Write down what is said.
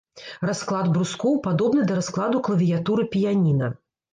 Расклад брускоў падобны да раскладу клавіятуры піяніна.